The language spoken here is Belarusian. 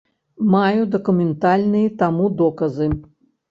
Маю дакументальныя таму доказы.